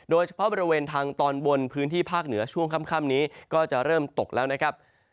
โดยเฉพาะบริเวณทางตอนบนพื้นที่ภาคเหนือช่วงค่ำนี้ก็จะเริ่มตกแล้วนะครับ